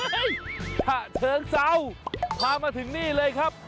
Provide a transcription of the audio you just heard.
เฮ้ยชะเชิงเซาพามาถึงนี่เลยครับ